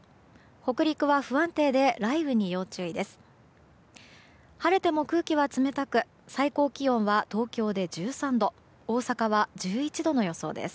北陸は不安定で雷雨に要注意です。